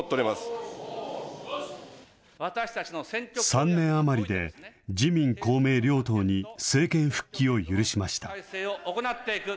３年余りで、自民、公明両党に政権復帰を許しました。